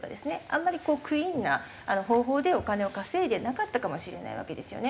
あんまりこうクリーンな方法でお金を稼いでなかったかもしれないわけですよね。